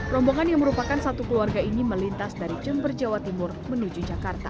rombongan yang merupakan satu keluarga ini melintas dari jember jawa timur menuju jakarta